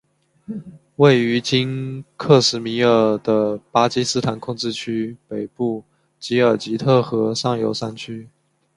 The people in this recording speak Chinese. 位于今克什米尔的巴基斯坦控制区北部吉尔吉特河上游山区。